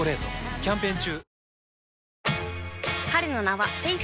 キャンペーン中！